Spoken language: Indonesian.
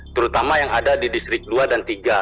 terutama yang ada di distrik dua dan tiga